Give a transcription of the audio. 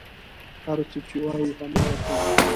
هر څه چې وايي، هماغه کوي.